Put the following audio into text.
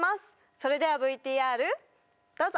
それではＶＴＲどうぞ！